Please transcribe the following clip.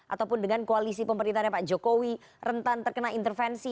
ataupun dengan koalisi pemerintahnya pak jokowi rentan terkena intervensi